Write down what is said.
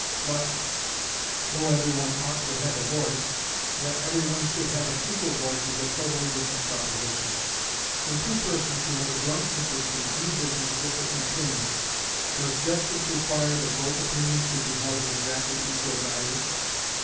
But (though every one ought to have a voice) that every one should have an equal voice is a totally different proposition. When two persons who have a joint interest in any business differ in opinion, does justice require that both opinions should be held of exactly equal value?